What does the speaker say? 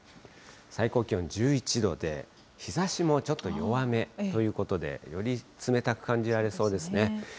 最高気温１１度で、日ざしもちょっと弱めということで、より冷たく感じられそうですね。